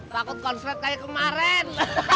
takut konsret kayak kemaren